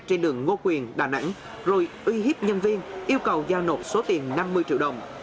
trên đường ngô quyền đà nẵng rồi uy hiếp nhân viên yêu cầu giao nộp số tiền năm mươi triệu đồng